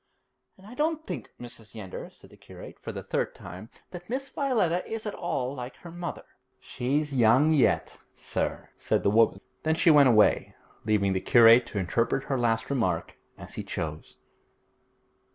'And I don't think, Mrs. Yeander,' said the curate, for the third time, 'that Miss Violetta is at all like her mother.' 'She's young yet, sir,' said the woman. Then she went away, leaving the curate to interpret her last remark as he chose.